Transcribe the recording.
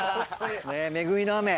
恵みの雨。